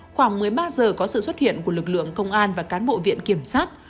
khoảng một mươi ba giờ có sự xuất hiện của lực lượng công an và cán bộ viện kiểm sát